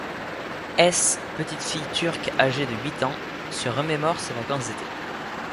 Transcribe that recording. S, petite fille turque âgée de huit ans, se remémore ses vacances d’été.